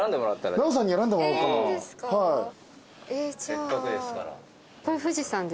せっかくですから。